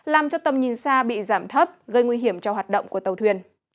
làm cho tầm nhìn xa bị giảm thấp gây nguy hiểm cho hoạt động của tàu thuyền